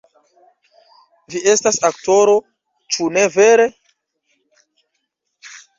Vi estas aktoro, ĉu ne vere?